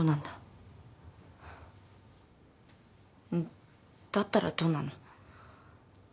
だったらどうなの？